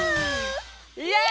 イエイ！